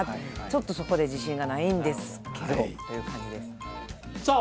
ちょっとそこで自信がないんですけどという感じですねさあ